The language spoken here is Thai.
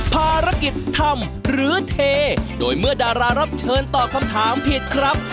ภารกิจทำหรือเทโดยเมื่อดารารับเชิญตอบคำถามผิดครับ